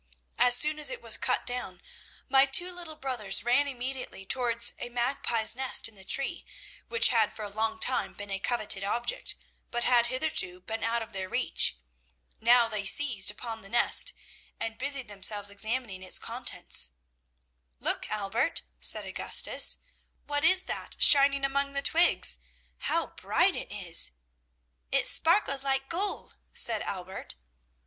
As soon as it was cut down, my two little brothers ran immediately towards a magpie's nest in the tree, which had for a long time been a coveted object, but had hitherto been out of their reach. Now they seized upon the nest and busied themselves examining its contents. "'Look, Albert!' said Augustus, 'what is that shining among the twigs? How bright it is!' "'It sparkles like gold,' said Albert.